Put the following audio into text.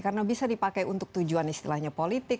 karena bisa dipakai untuk tujuan istilahnya politik